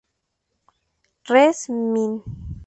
Res. Min.